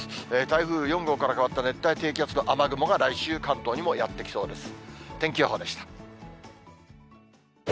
台風４号から変わった熱帯低気圧の雨雲が、来週、関東にもやってきそうです。